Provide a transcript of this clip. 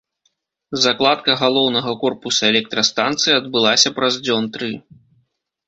Закладка галоўнага корпуса электрастанцыі адбылася праз дзён тры.